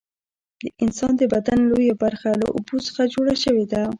د انسان د بدن لویه برخه له اوبو څخه جوړه شوې ده